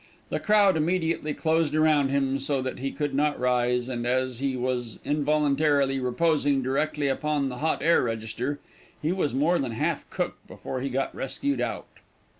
The crowd immediately closed around him, so that he could not rise, and, as he was involuntarily reposing directly upon the hot air register, he was more than half cooked before he got rescued out.